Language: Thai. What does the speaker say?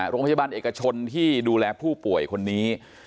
โรงพยาบาลเอกชนที่ดูแลผู้ป่วยคนนี้